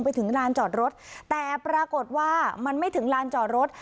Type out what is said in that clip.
ไปถึงลานจอดรถแต่ปรากฏว่ามันไม่ถึงลานจอดรถ